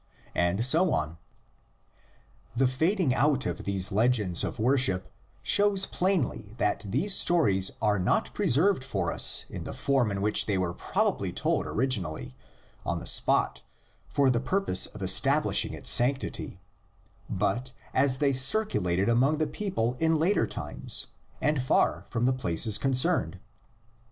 And so on. The fading out of these legends of worship shows plainly that these stories are not preserved for us in the form in which they were probably told orig inally on the spot for the purpose of establishing its sanctity, but as they circulated among the people in later times and far from the places concerned.